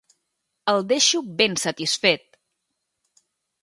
El deixo ben satisfet.